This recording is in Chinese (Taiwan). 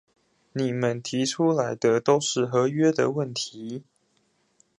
你們提出來的都是合約的問題